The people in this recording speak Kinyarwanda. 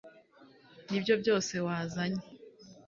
nibyo byose wazanye